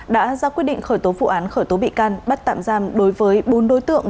đã ra quyết định khởi tố vụ án khởi tố bị can bắt tạm giam đối với bốn đối tượng